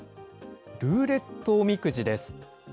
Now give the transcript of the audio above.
ルーレットおみくじです。